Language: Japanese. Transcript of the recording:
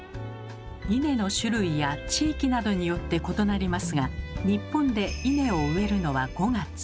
イネの種類や地域などによって異なりますが日本でイネを植えるのは５月。